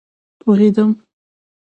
پوهیدم